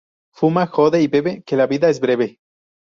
Fuma, jode y bebe, que la vida es breve